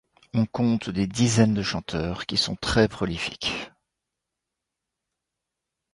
On compte des dizaines de chanteurs qui sont très prolifiques.